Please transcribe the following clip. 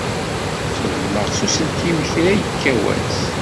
Xeddmeɣ s uselkim kra yekka wass.